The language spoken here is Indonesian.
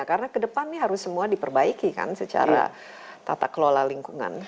karena ke depan ini harus semua diperbaiki kan secara tata kelola lingkungan